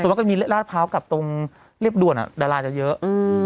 ส่วนว่าก็มีลาดเภาะกับตรงเรียบด่วนอ่ะดาราจะเยอะ